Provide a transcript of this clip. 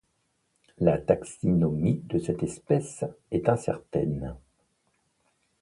La taxinomie de cette espèce est incertaine.